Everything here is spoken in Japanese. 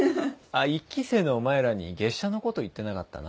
１期生のお前らに月謝のこと言ってなかったな。